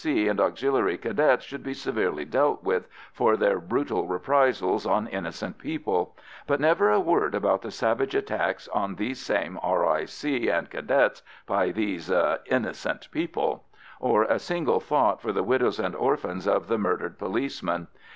C. and Auxiliary Cadets should be severely dealt with for their brutal reprisals on innocent people, but never a word about the savage attacks on these same R.I.C. and Cadets by these "innocent people," or a single thought for the widows and orphans of the murdered policemen.